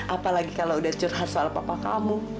apalagi kalau udah curhat soal papa kamu